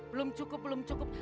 belum cukup belum cukup